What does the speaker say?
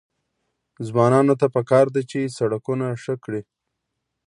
ځوانانو ته پکار ده چې، سړکونه ښه کړي.